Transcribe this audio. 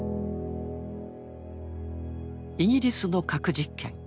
イギリスの核実験。